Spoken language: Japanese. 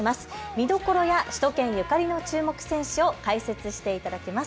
見どころや首都圏ゆかりの注目選手を解説していただきます。